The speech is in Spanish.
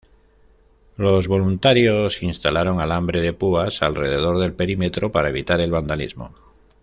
Los voluntarios instalaron alambre de púas alrededor del perímetro para evitar el vandalismo.